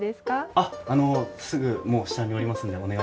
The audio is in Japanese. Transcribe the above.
あっあのすぐもう下におりますんでお願いします。